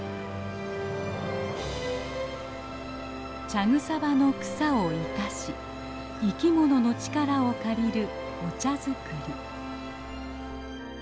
茶草場の草を生かし生きものの力を借りるお茶作り。